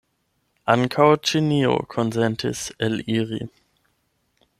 Ankaŭ Ĉinio konsentis eliri.